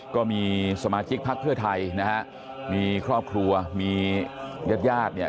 ก็มีสมาชิกพักเพื่อไทยนะฮะมีครอบครัวมีญาติญาติเนี่ย